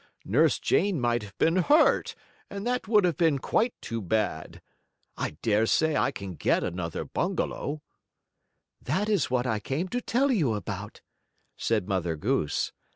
Nurse Jane might have been hurt, and that would have been quite too bad. I dare say I can get another bungalow." "That is what I came to tell you about," said Mother Goose.